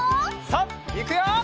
さあいくよ！